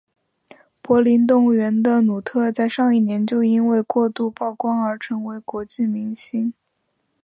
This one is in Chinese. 柏林动物园的努特在上一年就因为过度曝光而成为了国际明星。